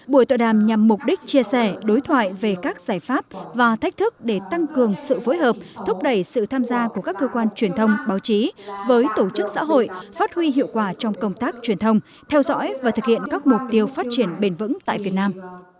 buổi tọa đàm nhằm mục đích chia sẻ đối thoại về các giải pháp và thách thức để tăng cường sự phối hợp thúc đẩy sự tham gia của các cơ quan truyền thông báo chí với tổ chức xã hội phát huy hiệu quả trong công tác truyền thông theo dõi và thực hiện các mục tiêu phát triển bền vững tại việt nam